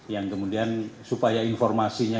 yang kemudian supaya informasinya